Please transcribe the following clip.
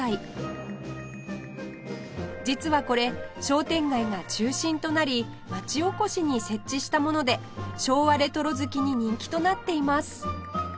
実はこれ商店街が中心となり町おこしに設置したもので昭和レトロ好きに人気となっています